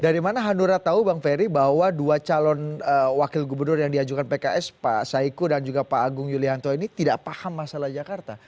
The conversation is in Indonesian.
dari mana hanura tahu bang ferry bahwa dua calon wakil gubernur yang diajukan pks pak saiku dan juga pak agung yulianto ini tidak paham masalah jakarta